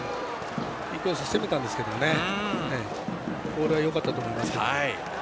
インコース攻めたんですけどボールはよかったんですけど。